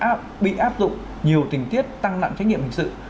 và đối tượng này sẽ bị áp dụng nhiều tình tiết tăng nặng trách nhiệm hình sự